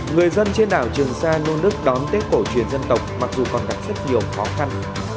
người dân trên đảo trường sa nôn nức đón tết cổ truyền dân tộc mặc dù còn gặp rất nhiều khó khăn